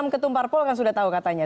ketumpar pol kan sudah tahu katanya